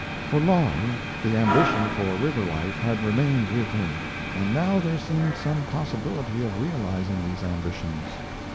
For long the ambition for river life had remained with him and now there seemed some possibility of realizing these ambitions.